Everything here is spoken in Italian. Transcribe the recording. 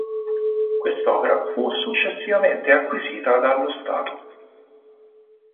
Quest'opera fu successivamente acquisita dallo Stato.